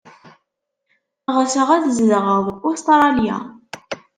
Ɣseɣ ad zedɣeɣ deg Ustṛalya.